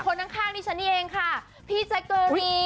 คนข้างนี่ชั้นเองค่ะพี่แจ๊คเกอร์รีน